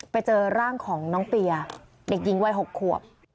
ไปเจอร่างของน้องเปียเด็กหญิงวัย๖ขวบ